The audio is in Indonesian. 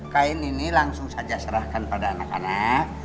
kain ini langsung saja serahkan pada anak anak